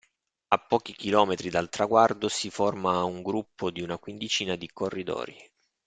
A pochi km dal traguardo si forma un gruppo di una quindicina di corridori.